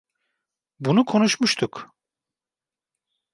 Bunu konuşmuştuk.